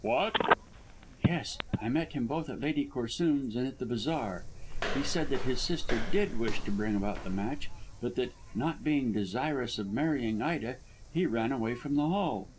"What?" "Yes. I met him both at Lady Corsoon's and at the Bazaar. He said that his sister did wish to bring about the match, but that, not being desirous of marrying Ida, he ran away from the Hall."